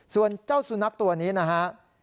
ส่วนเจ้าสุนัขตัวนี้นะฮะ